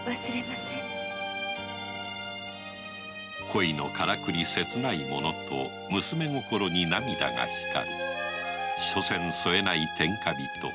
恋のカラクリせつないものと娘心に涙が光るしょせん添えない天下人